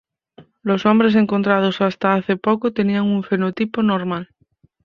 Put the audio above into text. Los hombres encontrados hasta hace poco tenían un fenotipo normal.